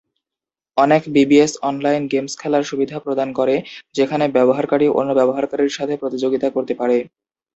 অনেক BBS online games খেলার সুবিধা প্রদান করে যেখানে ব্যবহারকারী অন্য ব্যবহারকারীর সাথে প্রতিযোগিতা করতে পারে।